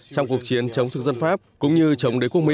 trong cuộc chiến chống thực dân pháp cũng như chống đế quốc mỹ